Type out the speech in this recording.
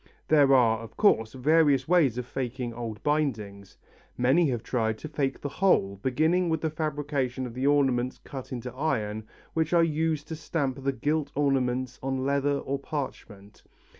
There are, of course, various ways of faking old bindings. Many have tried to fake the whole, beginning with the fabrication of the ornaments cut in iron which are used to stamp the gilt ornaments on leather or parchment.